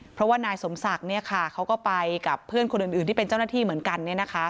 เพราะว่านายสมศักดิ์เขาก็ไปกับเพื่อนคนอื่นที่เป็นเจ้าหน้าที่เหมือนกัน